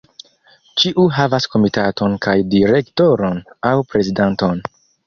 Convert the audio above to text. Ĉiu havas komitaton kaj direktoron aŭ prezidanton.